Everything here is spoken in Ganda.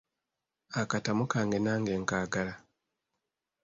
Akatamu kange nange nkaagala.